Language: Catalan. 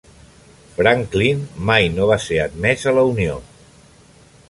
Franklin mai no va ser admès a la Unió.